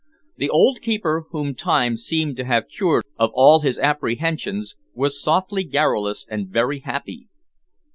The old keeper, whom time seemed to have cured of all his apprehensions, was softly garrulous and very happy.